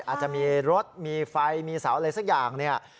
อาจจะมีรถมีไฟมีเสาอะไรสักอย่างเนี่ย